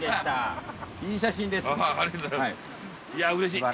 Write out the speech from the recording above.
いやうれしい。